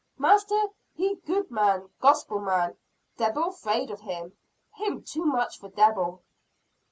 Master he good man! gospel man! debbil 'fraid of him him too much for debbil!"